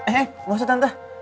eh masa tante